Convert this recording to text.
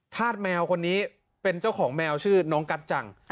ธาตุแมวคนนี้เป็นเจ้าของแมวชื่อน้องกัจจัง